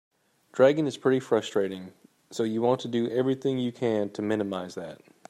Dragon is pretty frustrating, so you want to do everything you can to minimize that.